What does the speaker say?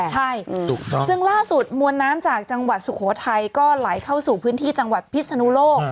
ใช่ซึ่งล่าสุดมวลน้ำจากจังหวัดสุโขทัยก็ไหลเข้าสู่พื้นที่จังหวัดพิศนุโลก